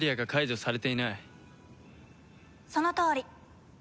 そのとおり。